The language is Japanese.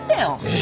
え？